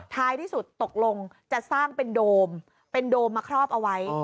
ท้ายที่สุดตกลงจะสร้างเป็นโดมเป็นโดมมาครอบเอาไว้